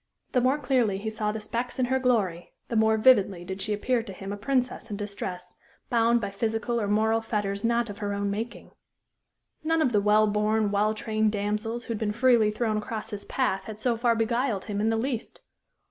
The more clearly he saw the specks in her glory, the more vividly did she appear to him a princess in distress, bound by physical or moral fetters not of her own making. None of the well born, well trained damsels who had been freely thrown across his path had so far beguiled him in the least.